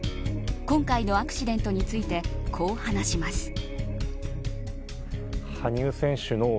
今回のアクシデントについてこう話します。